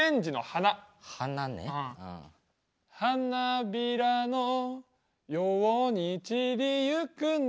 「花びらのように散りゆく中で」